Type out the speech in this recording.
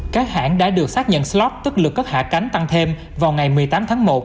các hãng đã được xác nhận slot tức lực cất hạ cánh tăng thêm vào ngày một mươi tám tháng một